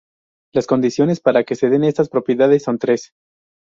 Las condiciones para que se den estas propiedades son tres.